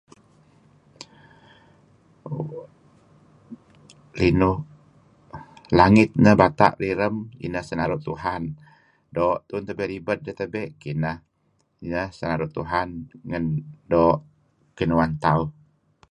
Linuh langit neh bata riram inah senaru' Tuhan. Doo' tabe ribed dih tabe' kineh . Nah kinah sinaru' Tuhan kinuan tauh.